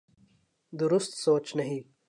درست سوچ نہیں۔